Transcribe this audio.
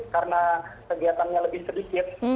karena kegiatannya lebih sedikit